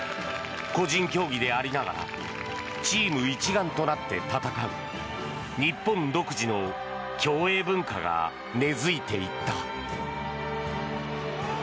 個人競技でありながらチーム一丸となって戦う日本独自の競泳文化が根付いていった。